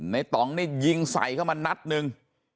ต่องนี่ยิงใส่เข้ามานัดหนึ่ง